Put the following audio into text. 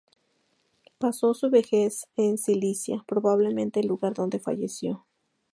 Pasó su vejez en Sicilia, probablemente el lugar donde falleció.